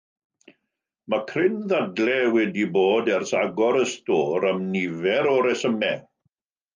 Mae cryn ddadlau wedi bod ers agor y stôr, am nifer o resymau.